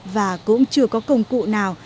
và cũng chưa có công cụ nào